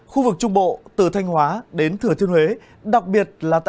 khu vực trung bộ từ thanh hóa đến thừa thiên huế